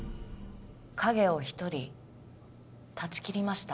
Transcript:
影を１人断ち切りました。